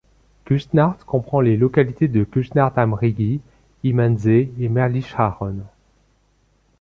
Küssnacht comprend les localités de Küssnacht am Rigi, Immensee et Merlischachen.